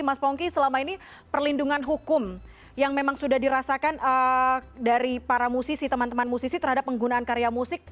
mas pongki selama ini perlindungan hukum yang memang sudah dirasakan dari para musisi teman teman musisi terhadap penggunaan karya musik